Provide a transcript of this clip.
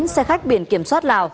xe khách biển kiểm soát lào